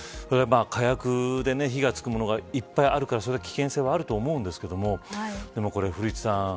火薬で火がつくものがいっぱいあるからそういう危険性はあると思うんですけどでも古市さん